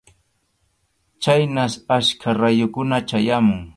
Khaynas achka rayukuna chayamun.